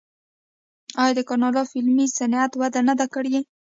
آیا د کاناډا فلمي صنعت وده نه ده کړې؟